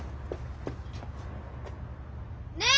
ねえ！